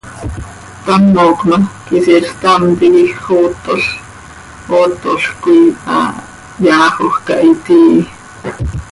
Thamoc ma, quisiil ctam tiquij xootol, ootolc coi ha yaajoj cah itii.